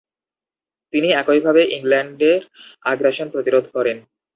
তিনিও একইভাবে ইংল্যান্ডের আগ্রাসন প্রতিরোধ করেন।